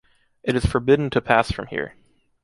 It is forbidden to pass from here.